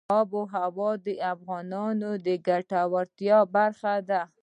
آب وهوا د افغانانو د ګټورتیا برخه ده.